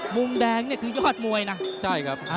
มุมแดงนี่คือยอดมวยนะ